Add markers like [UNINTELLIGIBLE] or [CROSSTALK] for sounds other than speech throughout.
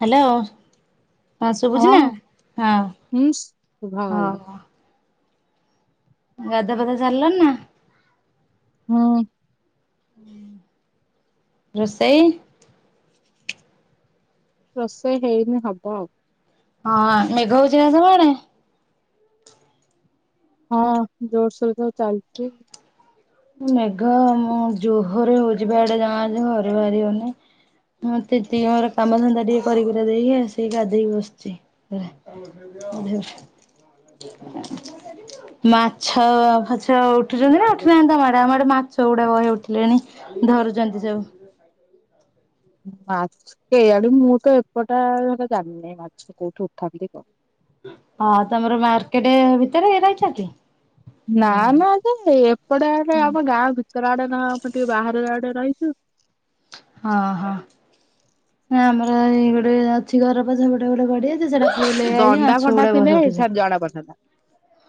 Hello. ହଁ ଶୁଭୁଛି ନା, ହଁ ହୁଁ ହଉ ଶୁଭାଗଲା ହଉ। ଗାଧୁଆ ପାଧୁଆ ସାରିଲଣି ନା? ହଁ। ରୋଷେଇ? ରୋଷେଇ ହେଇନି ହବ ଆଉ। ହଁ ମେଘ ହଉଛି ନା ସବୁଆଡେ? ହଁ ଜୋରସୋରରେ ଚାଲିଛି। ମେଘ ମୁଁ ଜୋହରେ ହଉଛିିବା ଏଇଆଡ଼େ ଜମା ଘରୁ ବାହାରିିହଉନି। ମତେ ଟିକେ ମୋର କାମ ଧନ୍ଧା ଟିକେ କରି କୁରା ଦେଇକି ସେଇ ଗାଧେଇକି ବସିଛି ପରା। ଆ [UNINTELLIGIBLE] ମାଛ ଫାଛ ଉଠୁଛନ୍ତି ନା ଉଠୁନାହାନ୍ତି? ତମ ଆଡେ ଆମ ଆଡେ ମାଛ ଗୁଡା ବହେ ଉଠି ଲେଣି ଧରୁଛନ୍ତି ସବୁ। ମାଛ କେଜାଣି ମୁଁ ତ ଏପଟା ଜାଣିନି ମାଛ କୋଉଠି ଉଠନ୍ତି କଣ। ହଁ ତମର ମାର୍କେଟ ଭିତରେ ରହିଛ କି? ନା ହୁଁ ନା ଯେ ଏପଟେ ଆଡେ ଆମ ହଁ ଗାଁ ଭିତର ଆଡେ ନ ଟିକେ ବାହାର ଆଡେ ରହିଛୁ। ହଁ ହଁ, ନା ଆମର ଏଇ ଗୋଟେ ଅଛି ଘର ପଛ ପଟେ ଗୋଟେ ଗଡିଆ ସେଟା ଫୁଲ ହେଇଯାଇଛି ଦଣ୍ଡା ମାଛ ଫଣ୍ଡା ଗୁଡା ବହେ ଥିଲେ ଛାଁ ଉଠୁଛନ୍ତି। ଜଣା ପଡିଥାନ୍ତା,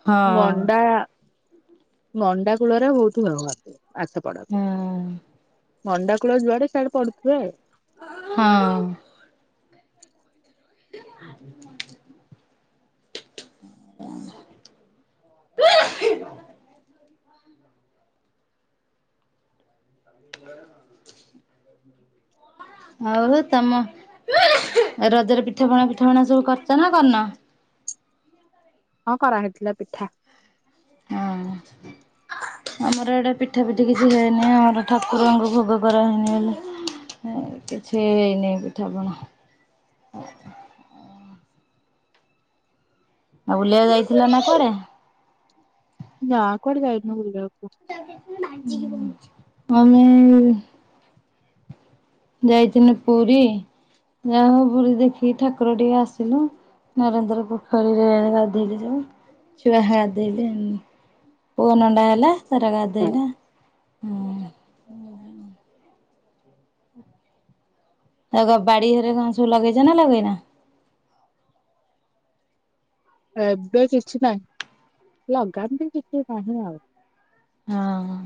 ହଁ। ଦଣ୍ଡା ମଣ୍ଡା କୂଳରେ ବହୁତୁ ଭଲ ବାହାରଚୁ, ଆଥ ପଡା ରୁ ହଁ ମଣ୍ଡା କୁଳ ଯୁଆଡେ ସିଆଡେ ପଡୁଥୁଏ। ହଁ। [UNINTELLIGIBLE] [INAUDIBLE] ହ [UNINTELLIGIBLE] ହଉ ତମ, ରଜରେ ପିଠାପଣା ପିଠାପଣା ସବୁ କରିଚ ନା କରିନ? ହଁ କରା ହେଇଥିଲା ପିଠା। ହଁଅ। ଆମର ଏଡେ ପିଠା ପିଠି କିଛି ହେଇନି। ଆମର ଠାକୁରଙ୍କୁ ଭୋଗ କରାହେଇନି ହେଲା। ହେ କିଛି ହେଇନି ପିଠାପଣା। ଆଉ ବୁଲିବାକୁ ଯାଇଥିଲ ନା କୁଆଡେ? ନାଁ କୁଆଡେ ଯାଇନୁ ବୁଲିବାକୁ। ହୁଁ। ଆମେ ଯାଇଥିନୁ ପୁରି ଯାହା ହୋଉ ପୁରି ଦେଖିକି ଠାକୁର ଟିକେ ଆସିଲୁ। ନରେନ୍ଦ୍ର ପୋଖରୀରେ ଗାଧେଇଲେ ଯୋଉଁ ଛୁଆଃ ଗାଧେଇଲେ ଉଁ। ପୁଅ ନଣ୍ଡା ହେଲା ସେରା ଗାଧେଇଲା ହୁଁ। ଏକା ବାଡି ଘରେ କଣ ସବୁ ଲଗେଇଚ ନା ଲଗେଇନ? ଏବେ କିଛି ନାହିଁ, ଲଗାନ୍ତି କିଛି ନାହିଁ ଆଉ। ହଁ ହଁ।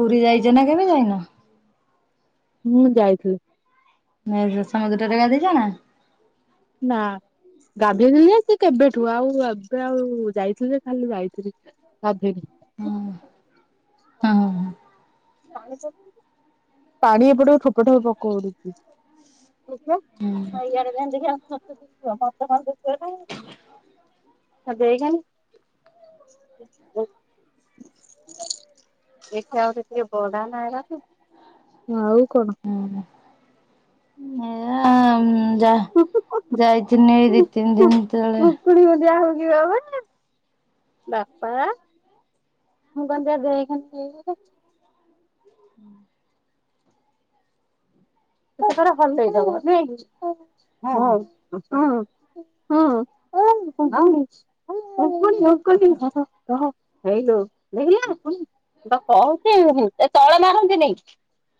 ପୁରି ଯାଇଚ ନା କେବେ ଯାଇନ? ମୁଁ ଯାଇଥିଲି। ନଇରେ ସମୁଦ୍ରରେ ଗାଧେଇଚନା? ନା। ଗାଧେଇଥିଲି ଏ ସେ କେବେଠୁ ଆଉ ଏବେ ଆଉ ଯାଇଥିଲି ଯେ ଖାଲି ଯାଇଥିଲି ଗାଧେଇନି। ହୁଁ ଆ ହଁ ହଁ। ପାଣି ଏପଟକୁ ଠୋପେ ଠୋପେ ପକୋଉଡୁଚି। ଦେଖିଆ ହଁ ଇଆଡେ ଯାଆନି ଦେଖିଆ ତତେ ଦୁସିବ ମତେ କଣ ଦୁସିବନାଇଁ କି। ହଁ ଦେଖେନି [UNINTELLIGIBLE] ଏଠି ଆଉ ଟିକେ ବଡା ନା ଏରାକ, ନା ଆଉ କଣ? ହୁଁ ଯାହା ଯାଇଚନି ଏଇ ଦି ତିନି ଦିନ ତଳେ। ଫୁଣି ମଜା ହୋଉଚି [UNINTELLIGIBLE] ବାପା। ମୁଁ କହିନି ଯା ଦେଖେନି ଏଇଆଡେ। [UNINTELLIGIBLE] ଗୋଟେ ଥର ହଲେଇ ଦବ ନୁହେଁ କି। ହଁ ହଁ ହୁଁ। ହଁ [UNINTELLIGIBLE] ଉଙ୍କୁଣୀ ଉଙ୍କୁଣି ହବ ରହ ହେଇଲୋ ଦେଖିଲି ନା। [UNINTELLIGIBLE] ମୁଁ ପା କୋହୁଚି ହୁଁ ଏ ତଳେ ମାରନ୍ତିନି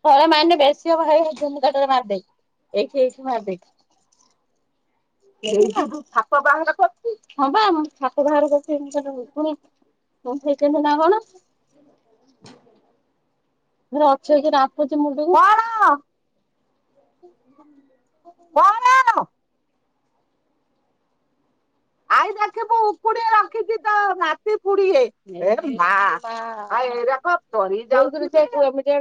ତଳେ ମାଇନେ ବେଶୀ ହବ ହେଇ ହେ ମୋ ନୁଗାଟାରେ ମାରିଦେ ଏଇଠି ଏଇଠି ମାରିଦେ। [UNINTELLIGIBLE] ଛାପ ବାହାର କରୁଚି। ହଁ ପା ଉଁ ଛାପ ବାହାର କରୁଚି [UNINTELLIGIBLE] ଉଙ୍କୁଣି [UNINTELLIGIBLE] ବସେଁଇଚନ୍ତି ନା କଣ। [UNINTELLIGIBLE] ହେରା ଅଛନ୍ତି ରାମ୍ପୁଚି ମୁଣ୍ଡକୁ। କଣ? ଆଇ ଦେଖିବୁ ଉପୁଡେ ରଖିଚି ତୋ ନାତି ପୁଡିଏ। ଏ ମା ଆ ଏରାକ ପରି ଯାଉଚନ୍ତି ସେ କେମିତି ଏ [UNINTELLIGIBLE]